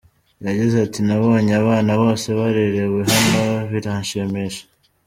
Yagize ati “ Nabonye abana bose barerewe hano biranshimisha.